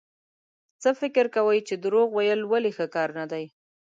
څه فکر کوئ چې دروغ ويل ولې ښه کار نه دی؟